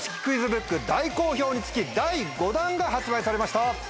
クイズブック大好評につき第５弾が発売されました。